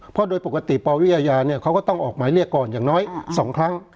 เพราะโดยปกติปวิอาญาเนี่ยเขาก็ต้องออกหมายเรียกก่อนอย่างน้อย๒ครั้ง